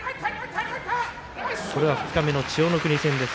二日目の千代の国戦です。